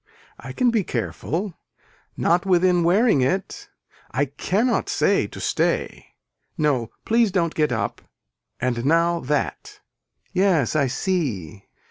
I can be careful. Not within wearing it. I cannot say to stay. No please don't get up. And now that. Yes I see.